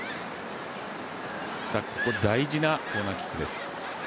ここ、大事なコーナーキックです。